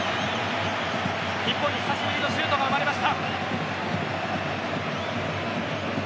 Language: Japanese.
日本に久しぶりのシュートが生まれました。